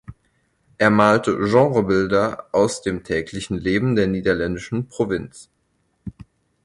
Er malte Genrebilder aus dem täglichen Leben der niederländischen Provinz.